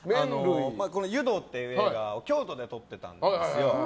「湯道」という映画を京都で撮ってたんですよ。